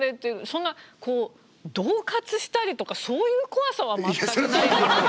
そんなこう恫喝したりとかそういう怖さは全くないんですけどね。